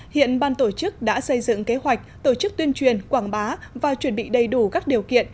hiện ban tổ chức đã xây dựng kế hoạch tổ chức tuyên truyền quảng bá và chuẩn bị đầy đủ các điều kiện